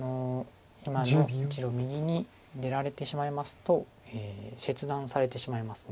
今の１路右に出られてしまいますと切断されてしまいます。